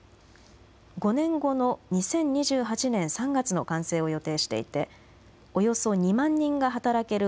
５年後の２０２８年３月の完成を予定していて、およそ２万人が働ける